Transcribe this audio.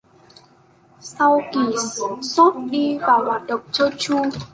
Sau kỳ shop đi vào hoạt động trơn tru